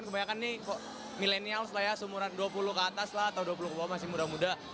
kebanyakan nih milenials lah ya seumuran dua puluh ke atas lah atau dua puluh ke bawah masih muda muda